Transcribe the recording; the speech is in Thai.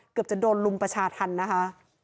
เกือบจะโดนลุมประชาธรรมนะคะ